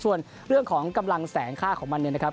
ส่วนเรื่องของกำลังแสงค่าของมันเนี่ยนะครับ